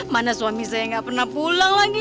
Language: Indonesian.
mana suami saya nggak pernah pulang lagi